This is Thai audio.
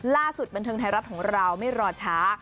ล่าสุดบันเทิงไทยรัฐของเราไม่รอช้า